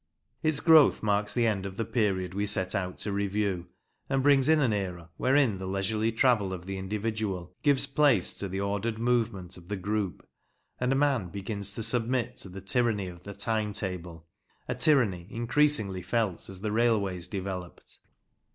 Its growth marks the end of the period we set out to review, and brings in an era wherein the leisurely travel of the individual gives place to the ordered movement of the group, and man begins to submit to the tyranny of the time table a tyranny increasingly felt as the railways developed.